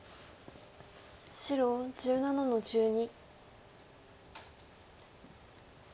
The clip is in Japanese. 白１７の十二。